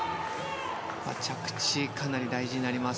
着地がかなり大事になります。